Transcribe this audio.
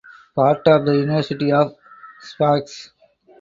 Part of the University of Sfax.